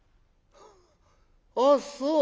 あっそう？